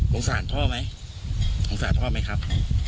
สารพ่อไหมสงสารพ่อไหมครับ